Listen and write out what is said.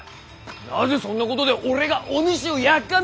なぜそんなことで俺がお主をやっかむ？